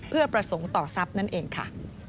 เพื่อประสงค์ต่อทรัพย์นั่นเองค่ะ